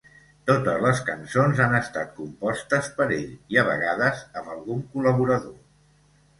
Totes les cançons han estat compostes per ell i a vegades amb algun col·laborador.